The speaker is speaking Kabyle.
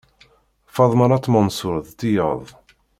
Faḍma n At Mensur d tiyaḍ.